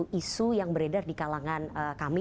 pak surya saya ingin mengklarifikasi tak ada yang di kalangan kami